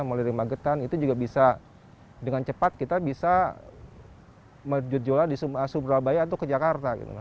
mulirin magetan itu juga bisa dengan cepat kita bisa menjual di subrabaya atau ke jakarta gitu